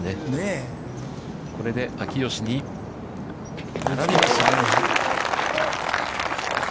これで秋吉に、並びました。